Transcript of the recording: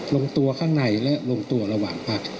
ลงตัวข้างในและลงตัวระหว่างพัก